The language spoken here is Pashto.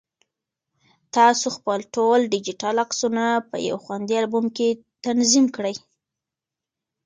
تاسو خپل ټول ډیجیټل عکسونه په یو خوندي البوم کې تنظیم کړئ.